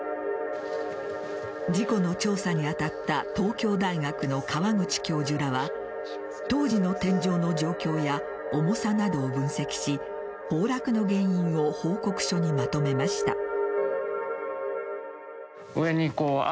事故の調査に当たった東京大学の川口教授らは当時の天井の状況や重さなどを分析し崩落の原因を報告書にまとめました。